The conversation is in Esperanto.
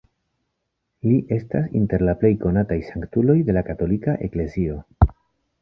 Li estas inter la plej konataj sanktuloj de la katolika eklezio.